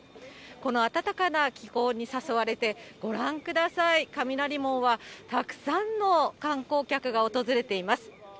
この暖かな気候に誘われて、ご覧ください、雷門はたくさんの観光客が訪れています。